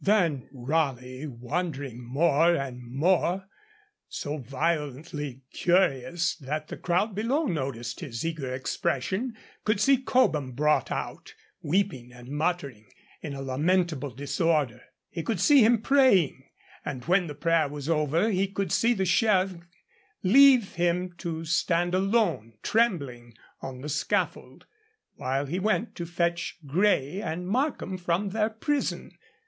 Then Raleigh, wondering more and more, so violently curious that the crowd below noticed his eager expression, could see Cobham brought out, weeping and muttering, in a lamentable disorder; he could see him praying, and when the prayer was over, he could see the Sheriff leave him to stand alone, trembling, on the scaffold, while he went to fetch Grey and Markham from their prison.